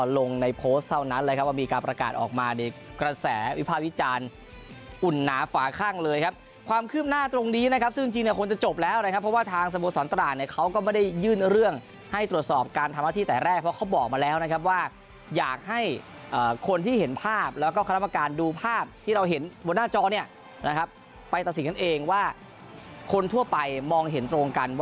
และวิภาวิจารณ์อุ่นหนาฝาข้างเลยครับความขึ้นหน้าตรงนี้นะครับซึ่งจริงคนจะจบแล้วนะครับเพราะว่าทางสมสรรตลาดเขาก็ไม่ได้ยื่นเรื่องให้ตรวจสอบการทำหน้าที่แต่แรกเพราะเขาบอกมาแล้วนะครับว่าอยากให้คนที่เห็นภาพแล้วก็คณะกรรมการดูภาพที่เราเห็นบนหน้าจอเนี่ยนะครับไปตัดสินกันเองว่าคนทั่วไปมองเห็นตร